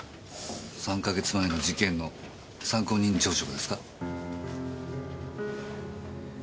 ３か月前の事件の参考人調書がですか？